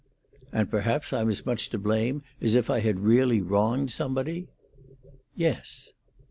"And perhaps I'm as much to blame as if I had really wronged somebody?" "Yes."